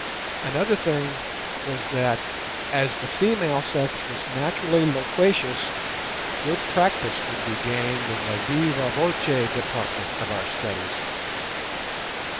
Another thing was that, as the female sex was naturally loquacious, good practice would be gained in the viva voce department of our studies.